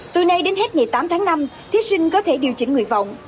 từ nay đến hết ngày tám tháng năm thí sinh có thể điều chỉnh nguyện vọng